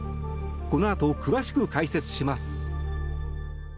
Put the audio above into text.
このあと詳しく解説します。